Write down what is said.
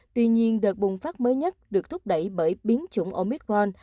tuy nhiên đợt bùng phát mới nhất được thúc đẩy bởi biến chủng omicron